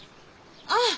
ああ。